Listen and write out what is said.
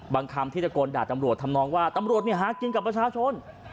คำที่ตะโกนด่าตำรวจทำนองว่าตำรวจหากินกับประชาชน